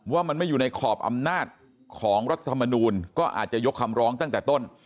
ว่ามันไม่อยู่ในขอบอำนาจของรัฐธรรมนูลก็อาจจะยกคำร้องตั้งแต่ต้น